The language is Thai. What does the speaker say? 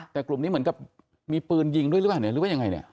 แต่กลุ่มนี้เหมือนกับมีปืนยิงด้วยหรือเปล่า